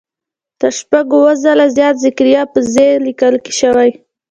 تر شپږ اووه ځله زیات زکریا په "ذ" لیکل شوی.